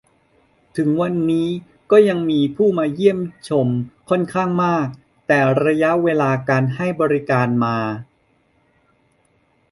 ถึงวันนี้ก็ยังมีผู้มาเยี่ยมชมค่อนข้างมาก แต่ระยะเวลาการให้บริการมา